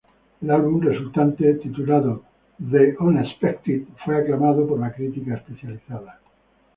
El álbum resultante, titulado "The Unexpected", fue aclamado por la crítica especializada.